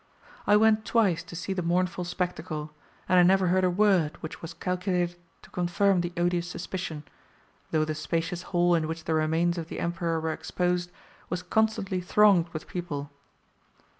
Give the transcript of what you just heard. I went twice to see the mournful spectacle, and I never heard a word which was calculated to confirm the odious suspicion, though the spacious hall in which the remains of the Emperor were exposed was constantly thronged with people.